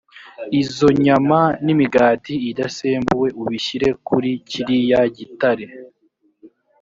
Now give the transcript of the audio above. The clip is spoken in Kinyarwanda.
izo nyama n imigati idasembuwe ubishyire kuri kiriya gitare